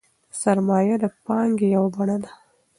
سرمایه د پانګې یوه بڼه ده.